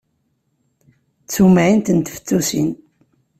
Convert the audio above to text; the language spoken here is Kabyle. D tumɛint n tfettusin!